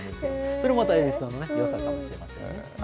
それまた蛭子さんのよさかもしれませんよね。